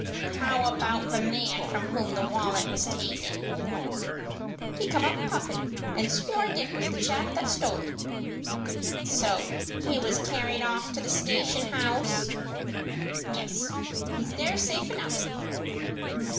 "How about the man from whom the wallet was taken?" "He came up puffin', and swore Dick was the chap that stole it." "So he was carried off to the station house?" "Yes; he's there safe enough."